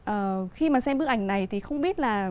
à khi mà xem bức ảnh này thì không biết là